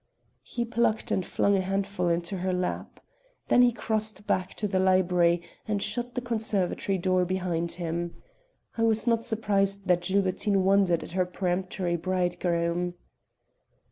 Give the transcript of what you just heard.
He plucked and flung a handful into her lap. Then he crossed back to the library and shut the conservatory door behind him. I am not surprised that Gilbertine wondered at her peremptory bridegroom.